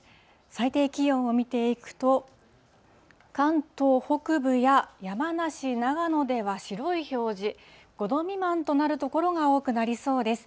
最低気温を見ていくと、関東北部や山梨、長野では白い表示、５度未満となる所が多くなりそうです。